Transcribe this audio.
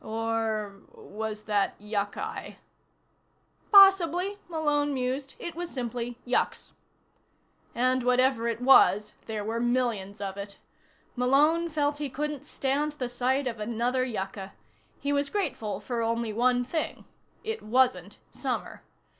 Or was that yucci? Possibly, Malone mused, it was simply yucks. And whatever it was, there were millions of it. Malone felt he couldn't stand the sight of another yucca. He was grateful for only one thing. It wasn't summer.